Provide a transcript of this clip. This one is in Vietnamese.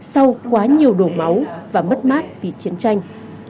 sau quá nhiều đổ máu và mất mát vì chiến tranh